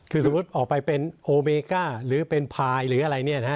คือสมมุติออกไปเป็นโอเมก้าหรือเป็นพายหรืออะไรเนี่ยนะฮะ